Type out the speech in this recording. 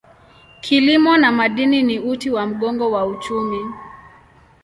Kilimo na madini ni uti wa mgongo wa uchumi.